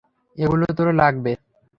এগুলো তোর লাগবে!